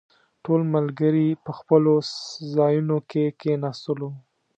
ټول ملګري په خپلو ځايونو کې کښېناستلو.